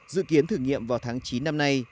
dự kiến thử nghiệm vào tháng chín năm nay